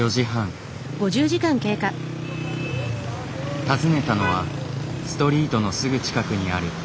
訪ねたのはストリートのすぐ近くにあるバス停。